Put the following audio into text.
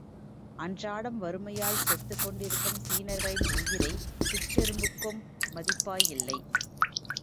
அன்றாடம் வறுமையால் செத்துக் கொண்டிருக்கும் சீனர்களின் உயிரை சிற்றெரும்புக்கும் மதிப்பாயில்லை.